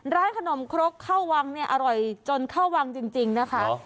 ร้านขนมครกข้าววังเนี่ยอร่อยจนเข้าวังจริงนะคะ